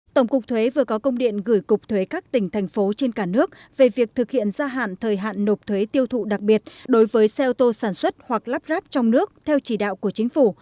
tổng cục thuế vừa có công điện gửi cục thuế các tỉnh thành phố trên cả nước về việc thực hiện gia hạn thời hạn nộp thuế tiêu thụ đặc biệt đối với xe ô tô sản xuất hoặc lắp ráp trong nước theo chỉ đạo của chính phủ